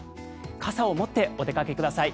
傘を持ってお出かけください。